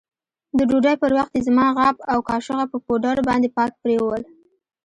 د ډوډۍ پر وخت يې زما غاب او کاشوغه په پوډرو باندې پاک پرېولل.